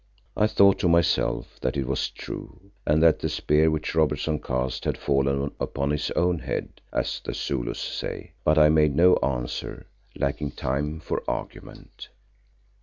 I thought to myself that it was true and that the spear which Robertson cast had fallen upon his own head, as the Zulus say, but I made no answer, lacking time for argument.